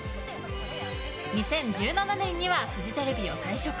２０１７年にはフジテレビを退職。